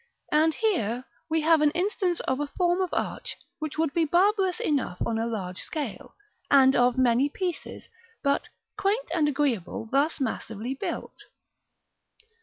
And here we have an instance of a form of arch which would be barbarous enough on a large scale, and of many pieces; but quaint and agreeable thus massively built.